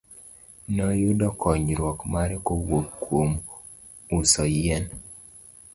Noyudo konyruok mare kowuok kuom uso yien.